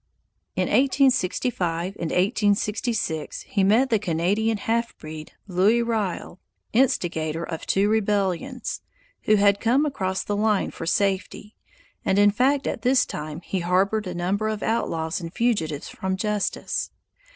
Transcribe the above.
In 1865 and 1866 he met the Canadian half breed, Louis Riel, instigator of two rebellions, who had come across the line for safety; and in fact at this time he harbored a number of outlaws and fugitives from justice.